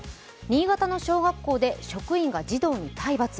新潟の小学校で職員が児童に体罰。